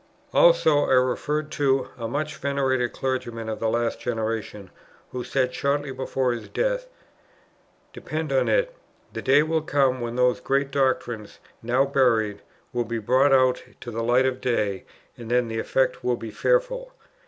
Also I referred to "a much venerated clergyman of the last generation," who said shortly before his death, "Depend on it, the day will come, when those great doctrines, now buried, will be brought out to the light of day, and then the effect will be fearful."